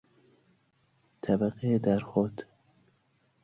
طبقه در خود